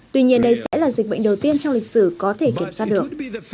tuy nhiên đây sẽ là dịch bệnh đầu tiên trong lịch sử có thể kiểm soát được